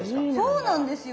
そうなんですよ。